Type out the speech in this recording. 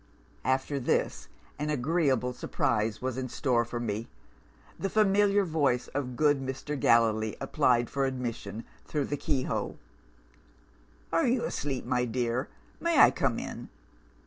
"After this, an agreeable surprise was in store for me. The familiar voice of good Mr. Gallilee applied for admission through the keyhole! "'Are you asleep, my dear? May I come in?